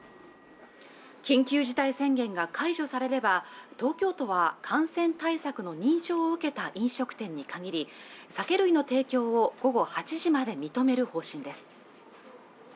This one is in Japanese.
緊急事態宣言が解除されれば東京都は感染対策の認証を受けた飲食店に限り酒類の提供を午後８時まで認める方針です